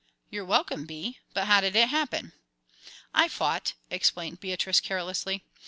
"You're welcome, Bee; but how did it happen?" "I fought," explained Beatrice, carelessly.